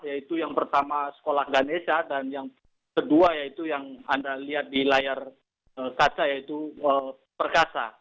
yaitu yang pertama sekolah ganesha dan yang kedua yaitu yang anda lihat di layar kaca yaitu perkasa